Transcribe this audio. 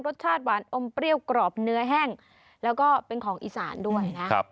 รสชาติหวานอมเปรี้ยวกรอบเนื้อแห้งแล้วก็เป็นของอีสานด้วยนะ